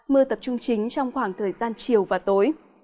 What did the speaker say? mưa tập trung chính trong khoảng thời gian chiều và tối